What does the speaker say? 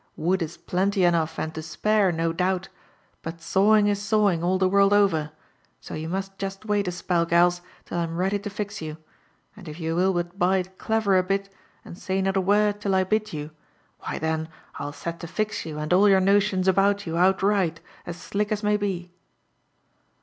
Wood i| plenty enough* lu^l to spare, no doubt i b^t stowing is sawing all t|iQ world over, so you must jest wait 9^ spell, gals, till Vm ready to fix you : and if you will hut bide clever 9 bit, and say not a word till t bid you, why then I'll set to fix you and all yo^r notions about you oqtrigbt, as slick «8 m«y be."